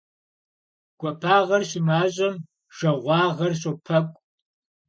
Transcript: Гуапагъэр щымащӀэм жагъуагъэр щопэкӀу.